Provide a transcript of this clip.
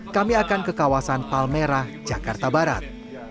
kami akan ke kawasan palmerah jakarta barat